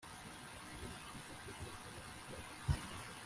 Imana yumupadiri wa paruwasi nayo iraganje ariko ni nini